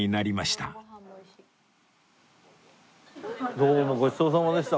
どうもごちそうさまでした。